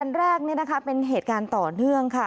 แรกเป็นเหตุการณ์ต่อเนื่องค่ะ